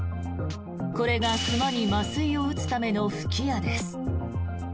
これが熊に麻酔を打つための吹き矢です。